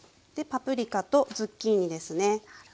パプリカとズッキーニですね。